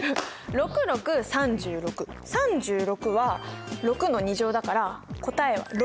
６６３６３６は６の２乗だから答えは６！